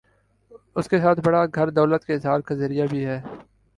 اس کے ساتھ بڑا گھر دولت کے اظہار کا ذریعہ بھی ہے۔